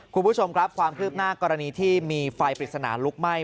คุณผู้ชมครับความคืบหน้ากรณีที่มีไฟปริศนาลุกไหม้